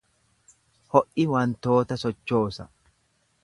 Ho’i wantoota sochoosa.